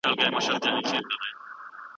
په فضا کې د انسان پښې ځمکې ته نه لګیږي.